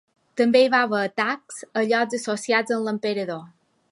També hi va haver atacs a llocs associats amb l'emperador.